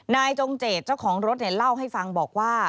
นายจงเจตเจ้าของรถเนี่ยเล่าให้ฟังบอกว่า